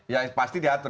ya pasti diatur